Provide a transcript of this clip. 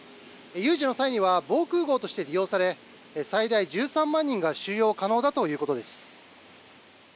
有事の際には防空壕として利用され最大１３万人が収容可能だということです。